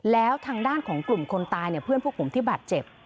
แล้วทางด้านของกลุ่มคนตายเนี่ยเพื่อนพวกผมที่บาดเจ็บ